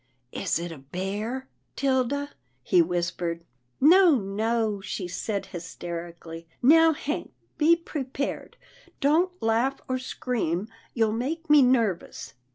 " Is it a bear, 'Tilda? " he whispered. " No, no," she said hysterically. " Now Hank, be prepared, don't laugh or scream — you'll make me nervous."